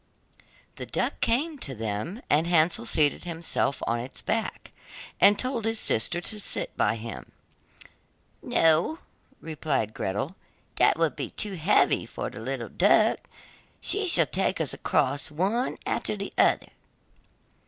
The duck came to them, and Hansel seated himself on its back, and told his sister to sit by him. 'No,' replied Gretel, 'that will be too heavy for the little duck; she shall take us across, one after the other.